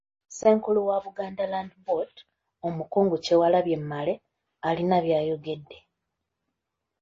Ssenkulu wa Buganda Land Board, Omukungu Kyewalabye Male alina by'ayogedde.